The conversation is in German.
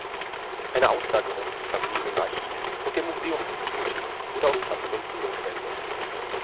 Eine Auslagerung des verbliebenen Archivs und der Museumsbibliothek wurde aus Platzgründen notwendig.